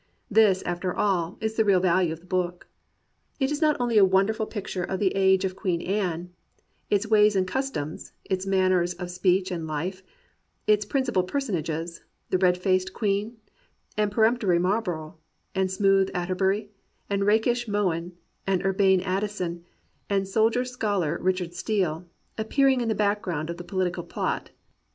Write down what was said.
This, after all, is the real value of the book. It is not only a wonderful picture of the Age of Queen Anne, its ways and customs, its manner of speech and life, its principal personages — the red faced queen, and peremptory Marlborough, and smooth Atterbury, and rakish Mohun, and urbane Addison, and soldier scholar Richard Steele — appearing in the background of the political plot.